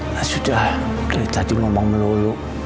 nah sudah dari tadi ngomong meluluk